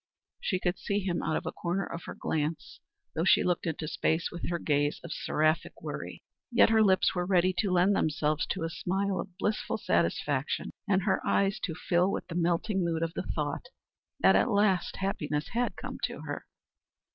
She could see him out of the corner of her glance, though she looked into space with her gaze of seraphic worry. Yet her lips were ready to lend themselves to a smile of blissful satisfaction and her eyes to fill with the melting mood of the thought that at last happiness had come to her.